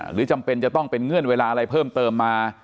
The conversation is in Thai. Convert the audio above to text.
จำเป็นจะต้องเป็นเงื่อนเวลาอะไรเพิ่มเติมมา